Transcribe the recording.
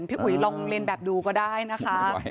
พี่อุ๋ยลองเรียนแบบดูก็ได้นะคะ